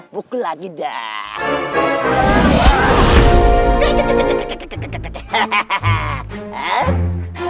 pukul lagi dah